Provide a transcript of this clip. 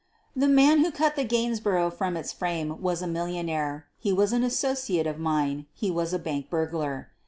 The man who cut the Gainsborough from its frame was a millionaire, he was an associate of J mine, he was a bank burglar.